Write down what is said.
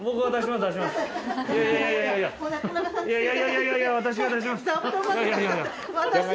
いやいやいや私が出します。